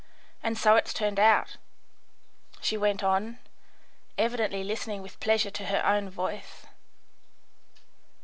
And so it's turned out," she went on, evidently listening with pleasure to her own voice.